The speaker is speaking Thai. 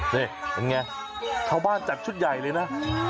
นี่เป็นไงชาวบ้านจัดชุดใหญ่เลยนะ